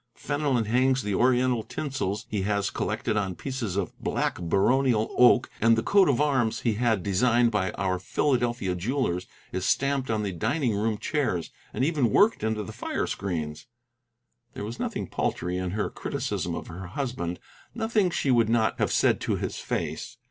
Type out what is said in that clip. Fenelon hangs the Oriental tinsels he has collected on pieces of black baronial oak, and the coat of arms he had designed by our Philadelphia jewellers is stamped on the dining room chairs, and even worked into the fire screens." There was nothing paltry in her criticism of her husband, nothing she would not have said to his face.